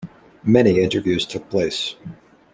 Many interviews took place.